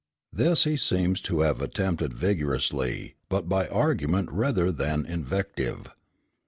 This he seems to have attempted vigorously, but by argument rather than invective.